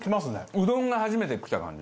うどんが初めてきた感じ。